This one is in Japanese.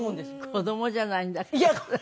子供じゃないんだからさ。